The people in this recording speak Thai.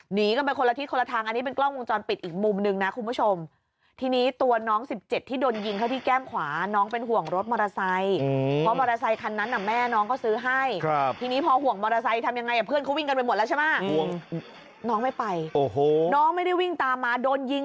หนีกันไปคนละทิศคนละทางอันนี้เป็นกล้องวงจรปิดอีกมุมนึงนะคุณผู้ชมทีนี้ตัวน้องสิบเจ็ดที่โดนยิงเข้าที่แก้มขวาน้องเป็นห่วงรถมอเตอร์ไซค์เพราะมอเตอร์ไซคันนั้นน่ะแม่น้องเขาซื้อให้ครับทีนี้พอห่วงมอเตอร์ไซค์ทำยังไงเพื่อนเขาวิ่งกันไปหมดแล้วใช่ไหมห่วงน้องไม่ไปโอ้โหน้องไม่ได้วิ่งตามมาโดนยิง